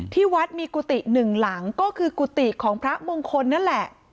ที่วัดมีกุฏิหนึ่งหลังก็คือกุฏิของพระมงคลนั่นแหละ